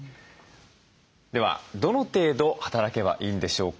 ではどの程度働けばいいんでしょうか。